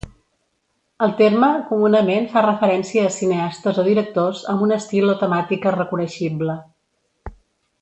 El terme comunament fa referència a cineastes o directors amb un estil o temàtica reconeixible.